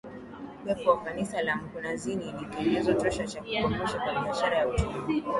Kuwepo kwa kanisa la mkunazini ni kielelezo tosha cha kukomeshwa kwa biashara ya utumwa